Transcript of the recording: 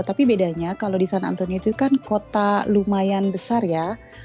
tapi bedanya kalau di sana antonia itu kan kota lumayan besar ya